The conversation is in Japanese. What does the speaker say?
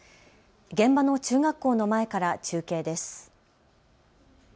現場の中学校の前から中継です。